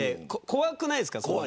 怖くないですか。